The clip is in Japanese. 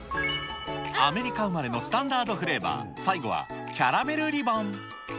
アメリカ生まれのスタンダードフレーバー、最後はキャラメルリボン。